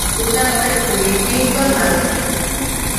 Mkutano wetu ulipigwa marufuku